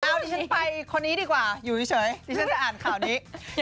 เอาดิฉันไปคนนี้ดีกว่าอยู่เฉยดิฉันจะอ่านข่าวนี้